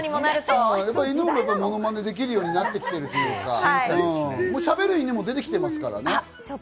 犬もモノマネでできるようになってきてるというか、しゃべる犬も出てきてますからね。